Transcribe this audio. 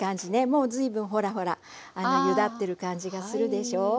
もう随分ほらほらゆだってる感じがするでしょ？